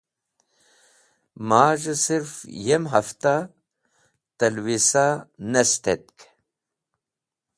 Maz̃hẽ sirf yem hẽfta tẽlwisa (plan) ne stetk.